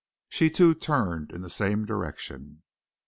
She, too, turned in the same direction.